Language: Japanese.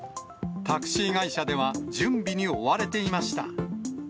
タクシー会社では、準備に追われていました。